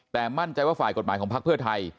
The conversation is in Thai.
แต่มั่นใจว่าฝ่ายกฎหมายของพักเพื่อไทย